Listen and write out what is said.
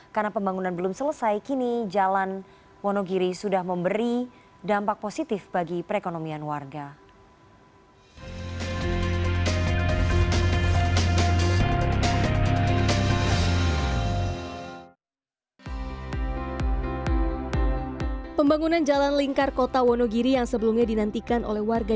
karena pembangunan belum selesai kini jalan wonogiri sudah memberi dampak positif bagi perekonomian warga